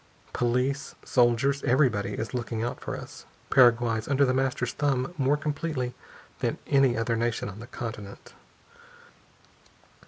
Police, soldiers everybody is looking out for us. Paraguay's under The Master's thumb more completely than any other nation on the continent."